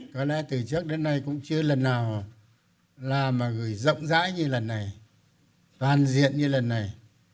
có lẽ từ trước đến nay cũng chưa lần nào là mà gửi rộng rãi như lần này toàn diện như lần này